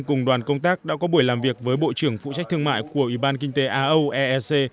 cùng đoàn công tác đã có buổi làm việc với bộ trưởng phụ trách thương mại của ủy ban kinh tế a âu e s e